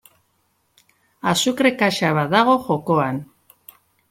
Azukre kaxa bat dago jokoan.